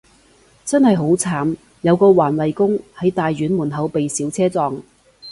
真係好慘，有個環衛工，喺大院門口被小車撞